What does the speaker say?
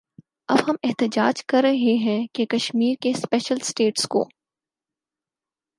اب ہم احتجاج کر رہے ہیں کہ کشمیر کے سپیشل سٹیٹس کو